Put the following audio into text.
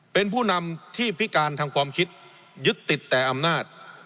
เป็นผู้นำที่พิการทางความคิดยึดติดแต่อำนาจ